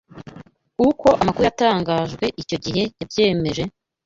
uko amakuru yatangajwe icyo gihe yabyemeje,